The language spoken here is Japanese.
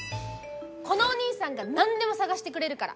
このおにいさんが何でも探してくれるから！